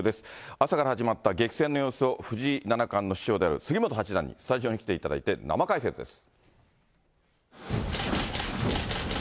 朝から始まった激戦の様子を、藤井七冠の師匠である杉本八段にスタジオに来ていただいて生解説です。